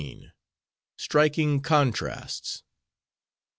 STRIKING CONTRASTS.